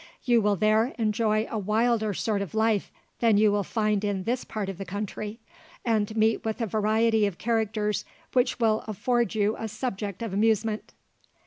You will there enjoy a wilder sort of life than you will find in this part of the country, and meet with a variety of characters which will afford you a subject of amusement."